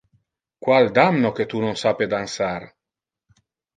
Qual damno que tu non sape dansar!